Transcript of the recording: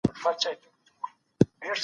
که تدریس تمرکز زیات کړي، ذهن نه ګډوډېږي.